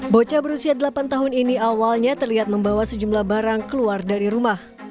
bocah berusia delapan tahun ini awalnya terlihat membawa sejumlah barang keluar dari rumah